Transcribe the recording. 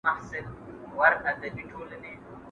¬ بده ښځه تنگه موچڼه ده.